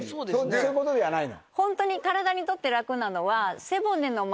そういうことじゃないの？